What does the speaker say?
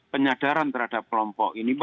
penyadaran terhadap kelompok ini